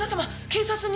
警察に！